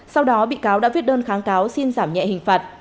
sau đó bị cáo đã viết đơn kháng cáo xin giảm nhẹ hình phạt